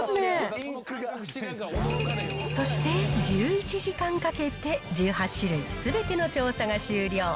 そして１１時間かけて、１８種類すべての調査が終了。